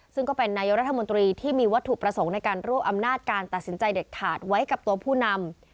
ซึ่งก็เป็นนายกรัฐมนตรีที่มีวัตถุประสงค์ในการรวบอำนาจการตัดสินใจเด็ดขาดไว้กับตัวผู้นำ